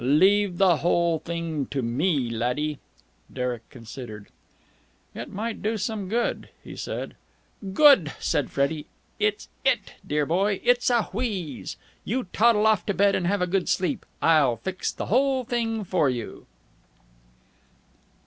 Leave the whole thing to me, laddie!" Derek considered. "It might do some good," he said. "Good?" said Freddie. "It's it, dear boy! It's a wheeze! You toddle off to bed and have a good sleep. I'll fix the whole thing for you!"